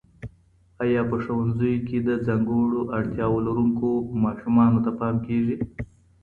آیا په ښوونځیو کي د ځانګړو اړتیاوو لرونکو ماسومانو ته پام کیږي؟